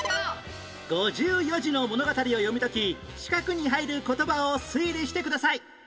５４字の物語を読み解き四角に入る言葉を推理してください